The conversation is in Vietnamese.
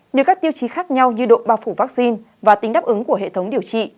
nếu các tiêu chí khác nhau như độ bao phủ vaccine và tính đáp ứng của hệ thống điều trị